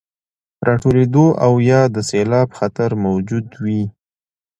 راټولېدو او يا د سيلاب خطر موجود وي،